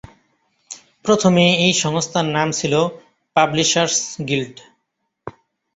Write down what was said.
প্রথমে এই সংস্থার নাম ছিল ‘পাবলিশার্স গিল্ড’।